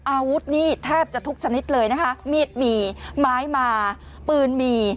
อาวุธนี่แทบจะทุกชนิดเลยนะคะมีดหมีไม้มาปืนมี